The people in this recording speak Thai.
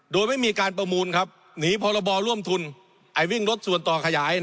โดยไม่มีการประมูลครับหนีพรบร่วมทุนวิ่งรถส่วนต่อขยาย